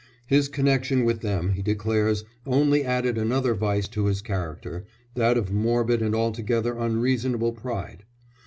His connection with them, he declares, only added another vice to his character that of morbid and altogether unreasonable pride.